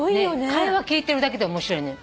会話聞いてるだけで面白いのよ。